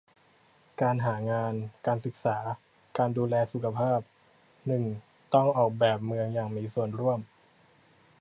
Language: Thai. การหางาน การศึกษา การดูแลสุขภาพ หนึ่ง ต้องออกแบบเมืองอย่างมีส่วนร่วม